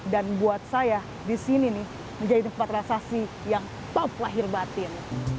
buat saya di sini nih menjadi tempat transaksi yang top lahir batin